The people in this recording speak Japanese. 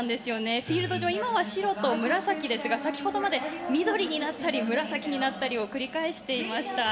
フィールド上今は白と紫ですが先ほどまで緑になったり紫になったりを繰り返していました。